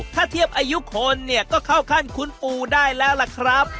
ถ้าเทียบอายุคนเนี่ยก็เข้าขั้นคุณปู่ได้แล้วล่ะครับ